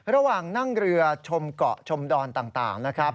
ระหว่างนั่งเรือชมเกาะชมดอนต่างนะครับ